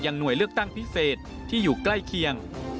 หน่วยเลือกตั้งพิเศษที่อยู่ใกล้เคียง